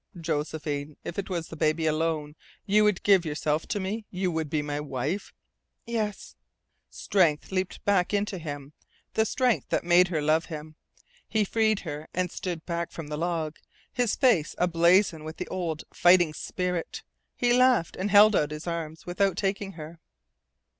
"Josephine, if it was the baby alone, you would give yourself to me? You would be my wife?" "Yes." Strength leaped back into him, the strength that made her love him. He freed her and stood back from the log, his face ablaze with the old fighting spirit. He laughed, and held out his arms without taking her.